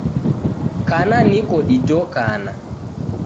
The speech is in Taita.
Kana niko didokana